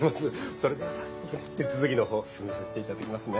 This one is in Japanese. それでは早速手続きの方進めさせて頂きますね。